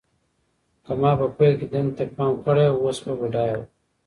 که ما په پیل کې دندې ته پام کړی وای، اوس به بډایه وم.